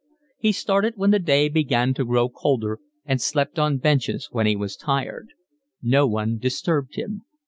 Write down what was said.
He started when the day began to grow cooler, and slept on benches when he was tired. No one disturbed him.